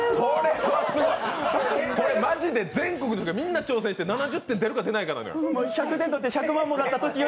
これ、マジで全国の人、挑戦して７０点出るか出ないかなのよ。